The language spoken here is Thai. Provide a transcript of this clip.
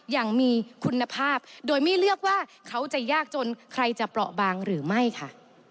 อย่างมีคุณภาพโดยไม่เลือกว่าเขาจะยากจนใครจะเปราะบางหรือไม่ค่ะ